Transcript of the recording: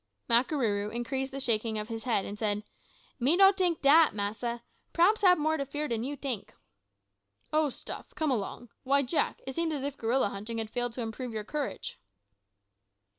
Makarooroo increased the shaking of his head, and said, "Me no know dat, massa. P'raps hab more to fear dan you tink." "Oh, stuff! come along. Why, Mak, it seems as if gorilla hunting had failed to improve your courage."